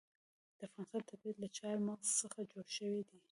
د افغانستان طبیعت له چار مغز څخه جوړ شوی دی.